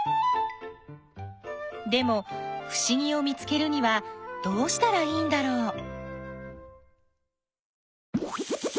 でもふしぎを見つけるにはどうしたらいいんだろう？